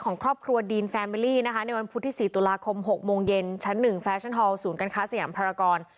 ในวันพุธที่๔ตุลาคม๖โมงเย็นชั้น๑แฟชั่นฮอล์ศูนย์กันค้าสยามพรากร